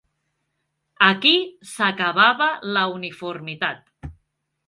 Aquí s'acabava la uniformitat.